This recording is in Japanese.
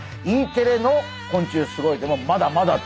Ｅテレの「昆虫すごいぜ！」もまだまだ続きます。